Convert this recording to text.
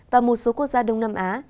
và một số quốc gia đông nam á